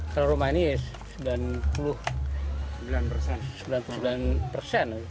kalau rumah ini sembilan puluh sembilan persen